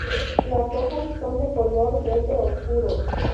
Las hojas son de color verde oscuro.